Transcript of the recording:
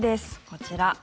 こちら。